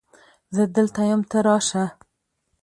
زه دلته یم ته راشه